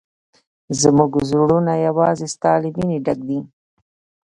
زموږ زړونه یوازې ستا له مینې ډک دي.